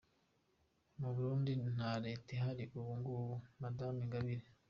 Mu Burundi nta Leta ihari ubu ngubu” Madamu Ingabire .